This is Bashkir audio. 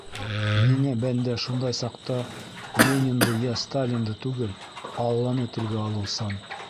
Ниңә бәндә шундай саҡта Ленинды йә Сталинды түгел, Алланы телгә алыусан?!